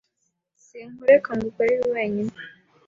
Sinkureka ngo ukore ibi wenyine.